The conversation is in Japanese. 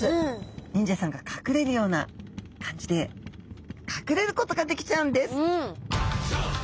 忍者さんが隠れるような感じで隠れることができちゃうんです！